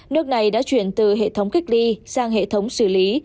nước này đã chuyển từ hệ thống cách ly sang hệ thống xử lý